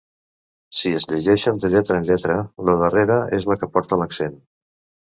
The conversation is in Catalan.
Si es llegeixen de lletra en lletra, la darrera és la que porta l'accent.